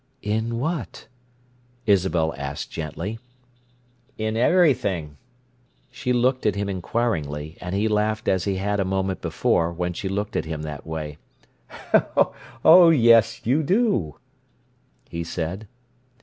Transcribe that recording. "In what?" Isabel asked gently. "In everything!" She looked at him inquiringly, and he laughed as he had a moment before, when she looked at him that way. "Oh, yes, you do!" he said.